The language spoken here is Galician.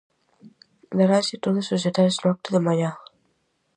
Daranse todos os detalles no acto de mañá.